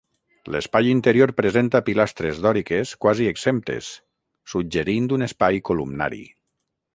L'espai interior presenta pilastres dòriques quasi exemptes, suggerint un espai columnari.